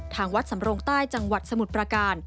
ทางวัดสำรงใต้จังหวัดสมุทรประการ